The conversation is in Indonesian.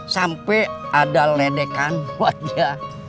sampai ada ledekan wajah